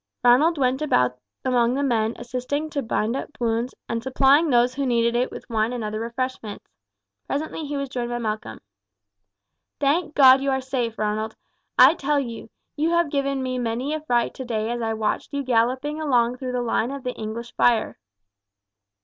Ronald went about among the men assisting to bind up wounds, and supplying those who needed it with wine and other refreshments. Presently he was joined by Malcolm. "Thank God you are safe, Ronald. I tell you, you have given me many a fright today as I watched you galloping along through the line of the English fire."